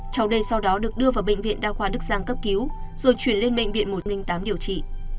cháu đây sau đó được đưa vào bệnh viện đa khoa đức giang cấp cứu rồi chuyển lên bệnh viện một trăm linh tám điều trị